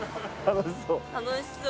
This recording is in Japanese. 楽しそう。